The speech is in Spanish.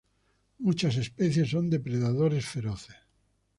Muchas especies son depredadores feroces.